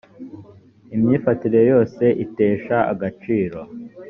imyifatire yose itesha agaciro.